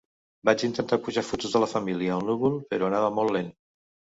Vaig intentar pujar fotos de la família al núvol, però anava molt lent.